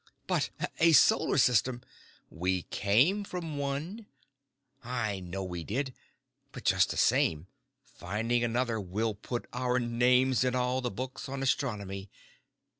"But a solar system " "We came from one." "I know we did. But just the same, finding another will put our names in all the books on astronomy.